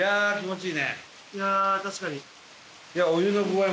いやあ確かに。